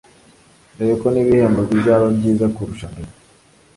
dore ko n’ibihembo bizaba byiza kurusha mbere”